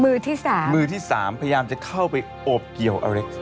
มือที่สามมือที่สามพยายามจะเข้าไปโอบเกี่ยวอเล็กซ์